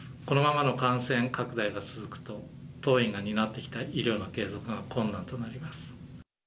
このままの感染拡大が続くと、当院が担ってきた医療の継続が困難となります。